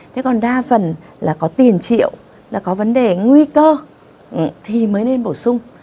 thế còn đa phần là có tiền triệu là có vấn đề nguy cơ thì mới nên bổ sung